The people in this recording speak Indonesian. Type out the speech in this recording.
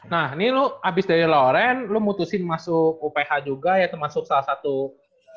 nah ini lu abis dari loren lu mutusin masuk uph juga ya termasuk salah satu apa ya